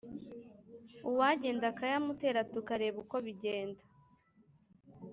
uwagenda akayamutera tukareba uko bigenda?”